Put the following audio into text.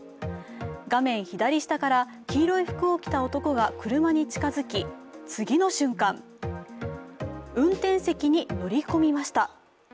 画面左下から黄色い服を着た男が車に近づき、次の瞬間、運転席に乗り込みました。